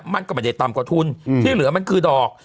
มันก็ไม่ได้ต่ำกว่าทุนที่เหลือมันคือดอก